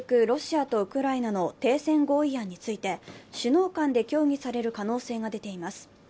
ロシアとウクライナの停戦合意案について首脳間で協議される可能性が出ています。